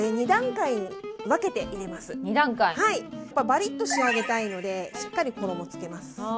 バリッと仕上げたいのでしっかり衣、つけます。